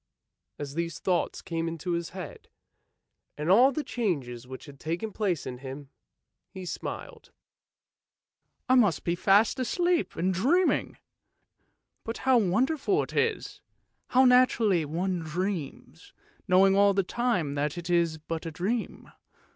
As these thoughts came into his head, and all the changes which had taken place in him, he smiled. " I must be fast asleep and dreaming! But how wonderful it is! how naturally one dreams, knowing all the time that it is but a dream.